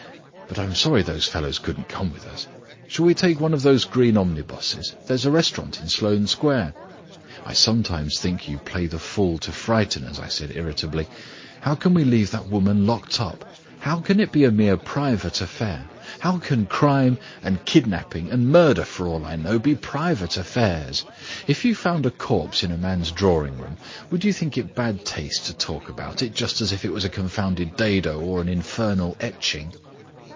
But I'm sorry those fellows couldn't come with us. Shall we take one of these green omnibuses? There is a restaurant in Sloane Square." "I sometimes think you play the fool to frighten us," I said irritably. "How can we leave that woman locked up? How can it be a mere private affair? How can crime and kidnapping and murder, for all I know, be private affairs? If you found a corpse in a man's drawing room, would you think it bad taste to talk about it just as if it was a confounded dado or an infernal etching?"